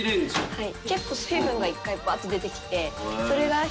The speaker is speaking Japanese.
はい。